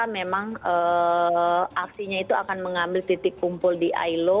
memang aksinya itu akan mengambil titik kumpul di ilo